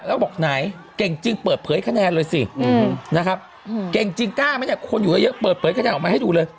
แล้วก็บอกไหนเก่งจริงเปิดเผยคะแนนเลยสินะครับเก่งจริงกล้าไหมเนี่ยคนอยู่เยอะเปิดเผยคะแนนออกมาให้ดูเลย